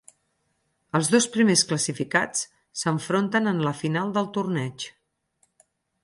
Els dos primers classificats s'enfronten en la final del torneig.